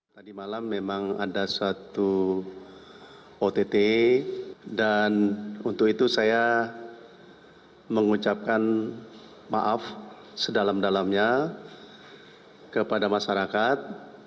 tadi malam memang ada suatu ott dan untuk itu saya mengucapkan maaf sedalam dalamnya kepada masyarakat